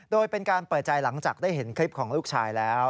โดยเป็นการเปิดใจหลังจากได้เห็นคลิปของลูกชายแล้ว